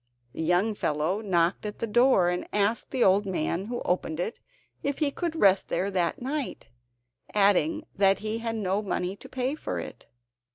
The young fellow knocked at the door and asked the old man who opened it if he could rest there that night, adding that he had no money to pay for it.